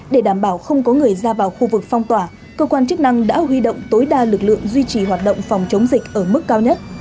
để đảm bảo không có người ra vào khu vực phong tỏa cơ quan chức năng đã huy động tối đa lực lượng duy trì hoạt động phòng chống dịch ở mức cao nhất